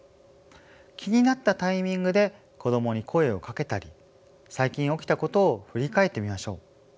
気になったタイミングで子どもに声をかけたり最近起きたことを振り返ってみましょう。